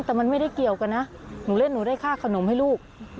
แต่มันไม่ได้เกี่ยวกันนะหนูเล่นหนูได้ค่าขนมให้ลูก